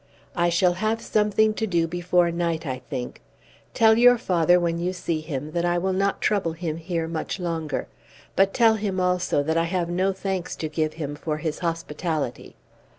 "I shall have something to do before night, I think. Tell your father, when you see him, that I will not trouble him here much longer. But tell him, also, that I have no thanks to give him for his hospitality."